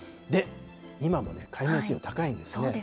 今も、海面水温高いんですね。